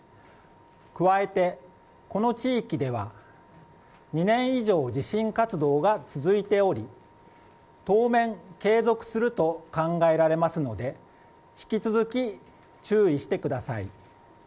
加えて、この地域では２年以上、地震活動が続いており当面継続すると考えられますので引き続き、注意してください。